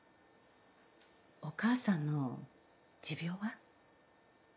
お母さんの持病は？